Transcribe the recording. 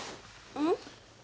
うん？